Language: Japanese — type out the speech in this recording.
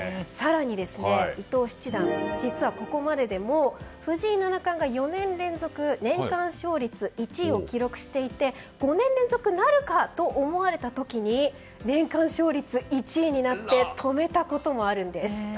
伊藤七段、ここまででもう藤井七冠が４年連続年間勝率１位を記録していて５年連続なるかと思われた時に年間勝率１位になって止めたこともあるんです。